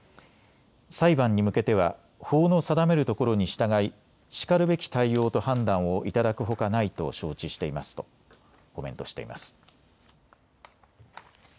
裁判に向けては法の定めるところに従いしかるべき対応と判断をいただくほかないと承知していますとコメントしています。